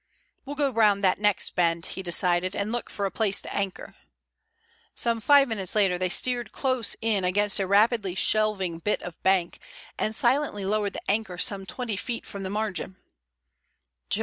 "We'll go round that next bend," he decided, "and look for a place to anchor." Some five minutes later they steered close in against a rapidly shelving bit of bank, and silently lowered the anchor some twenty feet from the margin.